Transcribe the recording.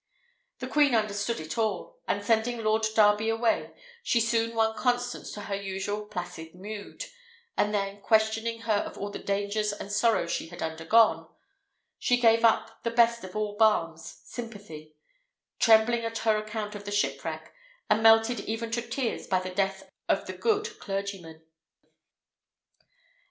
The queen understood it all, and sending Lord Darby away, she soon won Constance to her usual placid mood; and then, questioning her of all the dangers and sorrows she had undergone, she gave her the best of all balms, sympathy; trembling at her account of the shipwreck, and melted even to tears by the death of the good clergyman.